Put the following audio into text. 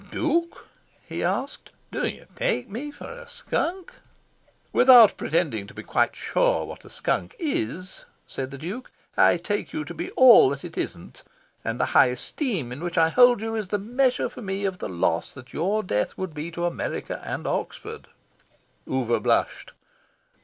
"Duke," he asked, "d'you take me for a skunk?" "Without pretending to be quite sure what a skunk is," said the Duke, "I take you to be all that it isn't. And the high esteem in which I hold you is the measure for me of the loss that your death would be to America and to Oxford." Oover blushed.